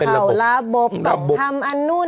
เขาก็เลยแบบว่าก็มีกรรมพูดกันมากขึ้น